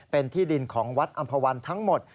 เป็นที่ดินของวัดอำภาวันทั้งหมด